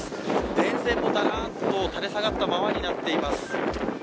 電線もだらんと垂れ下がったままになっています。